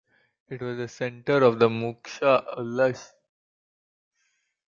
It was a center of Mukhsha Ulus.